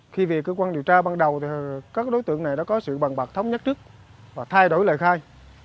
khi vì cơ quan điều tra ban đầu thì các đối tượng này đã có sự bằng bạc thống nhất trước và thay đổi lời khai